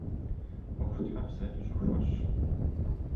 Ӏуэхутхьэбзэри щӀыхуэщ.